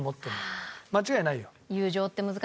間違いないよ。